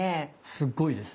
すっごいですね。